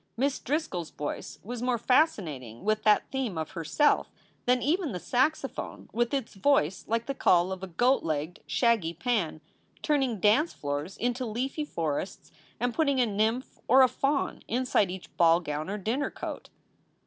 Miss Driscoll s voice was more fascinating with that theme of her Self than even the saxophone with its voice like the call of a goat legged, shaggy Pan turning dance floors into leafy forests and putting a nymph or a faun inside each ballgown or dinner coat.